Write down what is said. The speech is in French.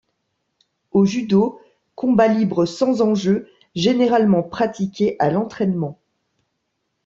Au judo, combat libre sans enjeu, généralement pratiqué à l'entraînement.